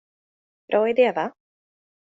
Bra idé, va?